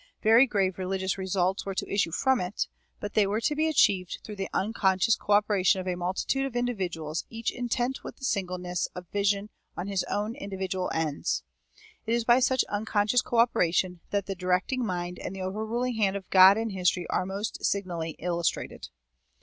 Very grave religious results were to issue from it; but they were to be achieved through the unconscious coöperation of a multitude of individuals each intent with singleness of vision on his own individual ends. It is by such unconscious coöperation that the directing mind and the overruling hand of God in history are most signally illustrated.